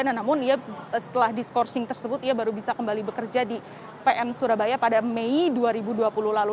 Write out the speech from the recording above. namun ia setelah diskorsing tersebut ia baru bisa kembali bekerja di pm surabaya pada mei dua ribu dua puluh lalu